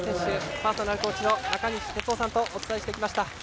パーソナルコーチの中西哲生さんとお伝えしてきました。